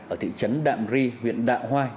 ở thị trấn đạm ri huyện đạ hoai